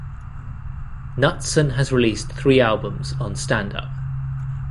Knutson has released three albums on Stand Up!